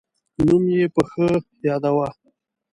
نوم یې په ښو یاداوه.